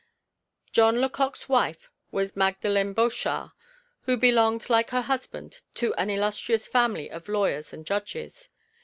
John Lecoq's wife was Magdalen Bochart, who belonged like her husband to an illustrious family of lawyers and judges.